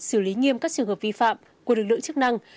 xử lý nghiêm các trường hợp vi phạm của lực lượng chức năng